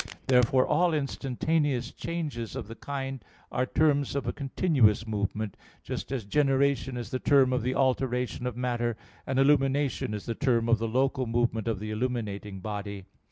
Therefore all instantaneous changes of the kind are terms of a continuous movement: just as generation is the term of the alteration of matter, and illumination is the term of the local movement of the illuminating body.